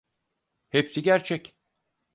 Hepsi gerçek.